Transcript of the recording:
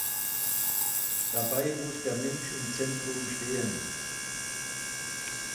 Dabei muss der Mensch im Zentrum stehen.